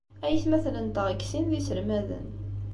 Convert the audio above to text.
Aytmaten-nteɣ deg sin d iselmaden.